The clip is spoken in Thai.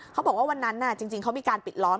เขาบอกว่าวันนั้นจริงเขามีการปิดล้อม